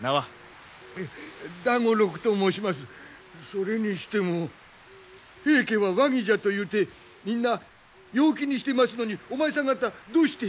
それにしても平家は和議じゃと言うてみんな陽気にしてますのにお前さん方どうして。